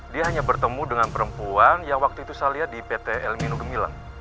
dia hanya bertemu dengan perempuan yang waktu itu saya lihat di pt elmino gemilan